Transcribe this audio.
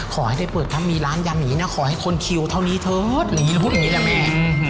ขอให้ได้เปิดร้านยำอย่างนี้นะขอให้คนคิวเท่านี้เถิดอย่างนี้แหละแม่